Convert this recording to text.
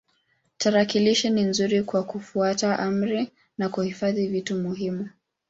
Tarakilishi ni nzuri kwa kufuata amri na kuhifadhi vitu muhimu.